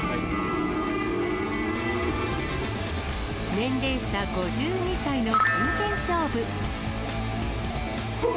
年齢差５２歳の真剣勝負。